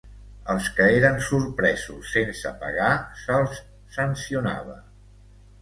Els que eren sorpresos sense pagar se'ls sancionava.